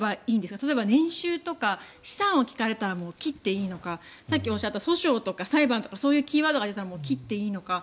例えば年収とか資産を聞かれたらもう切っていいのかさっきおっしゃった訴訟とか裁判とかそういうキーワードが出たら切っていいのか。